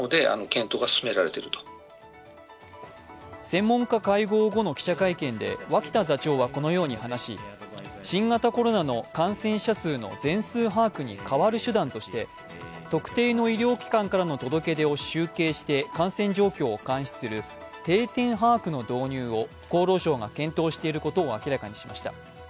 専門家会合後の記者会見で脇田座長はこのように話し新型コロナの感染者数の全数把握に代わる手段として特定の医療機関からの届け出を集計して感染状況を監視する定点把握の導入を厚労省が検討していることを明らかにしました。